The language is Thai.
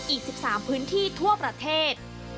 อีก๑๓พื้นที่ทั่วประเทศ